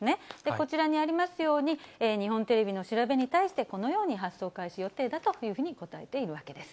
こちらにありますように、日本テレビの調べに対して、このように発送開始予定だというふうに答えているわけです。